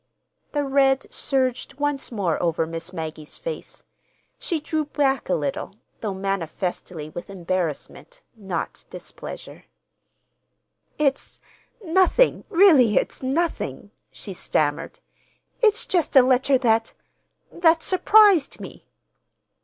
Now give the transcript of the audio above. The red surged once more over Miss Maggie's face. She drew back a little, though manifestly with embarrassment, not displeasure. "It's—nothing, really it's nothing," she stammered. "It's just a letter that—that surprised me."